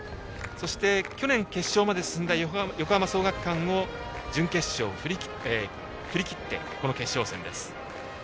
そして、去年決勝まで進んだ横浜創学館を準決勝、振り切ってこの決勝戦です。